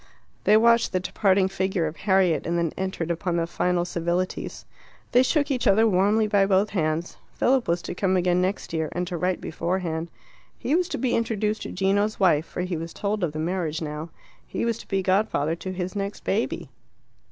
They watched the departing figure of Harriet, and then entered upon the final civilities. They shook each other warmly by both hands. Philip was to come again next year, and to write beforehand. He was to be introduced to Gino's wife, for he was told of the marriage now. He was to be godfather to his next baby.